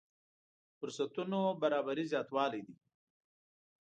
فرصتونو برابري زياتوالی دی.